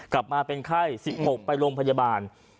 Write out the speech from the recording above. กลับมาเป็นไข้๑๖ไปโรงพยาบาล